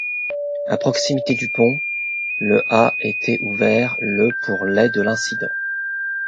À proximité du pont le a été ouvert le pour les de l'incident.